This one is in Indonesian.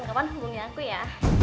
nanti kapan kapan hubungi aku ya